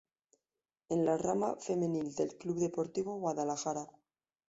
Es la rama femenil del Club Deportivo Guadalajara.